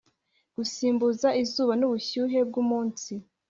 gusimbuza izuba nubushyuhe bwumunsi.